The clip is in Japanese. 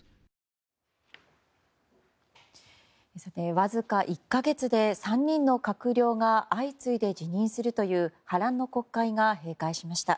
わずか１か月で３人の閣僚が相次いで辞任するという波乱の国会が閉会しました。